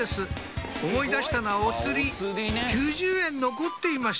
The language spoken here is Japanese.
思い出したのはお釣り９０円残っていました